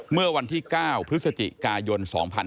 เมื่อวันที่๙พฤศจิกายน๒๕๖๒